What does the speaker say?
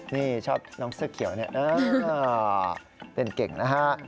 นี่ชอบน้องเสื้อเขียวนี่เต้นเก่งนะฮะ